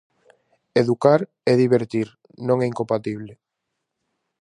Educar e divertir non é incompatible.